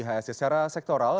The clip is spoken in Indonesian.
sektor sektor ihsg secara sektoral